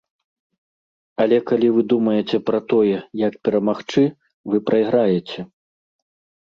Але калі вы думаеце пра тое, як перамагчы, вы прайграеце.